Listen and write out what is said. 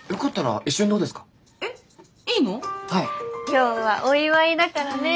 今日はお祝いだからね。